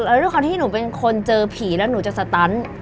แล้วด้วยความที่หนูเป็นคนเจอผีแล้วหนูจะสตัน